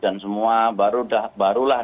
dan semua barulah